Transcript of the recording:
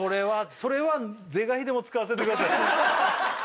それは是が非でも使わせてください